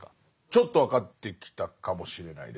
ちょっと分かってきたかもしれないです。